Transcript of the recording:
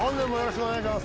お願いしまーす！